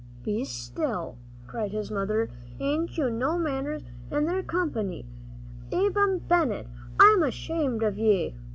"Be still!" cried his mother; "hain't you no manners, an' they're company? Ab'm Bennett, I'm ashamed of ye."